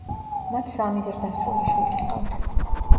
მათ სამი ზრდასრული შვილი ჰყავთ.